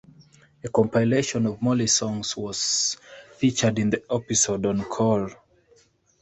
A compilation of Molly's songs was featured in the episode Encore.